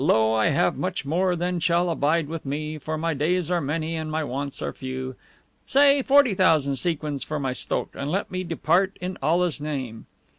Lo, I have much more than shall abide with me, for my days are many and my wants are few. Say forty thousand sequins for my STOKH and let me depart in Allah's name.